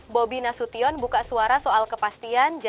bobi nasution buka suara soal kepastian